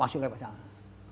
masuk lepas sana